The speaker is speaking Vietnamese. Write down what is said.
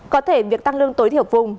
có thể việc tăng lương tối thiểu vùng